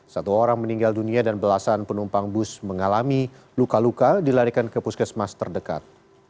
satu orang meninggal dunia dan belasan penumpang bus mengalami luka luka dilarikan ke puskesmas terdekat